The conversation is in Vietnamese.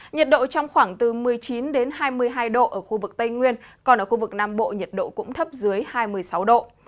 nhiệt độ trong khoảng từ một mươi chín hai mươi hai độ ở khu vực tây nguyên còn ở khu vực nam bộ nhiệt độ cũng thấp dưới hai mươi sáu độ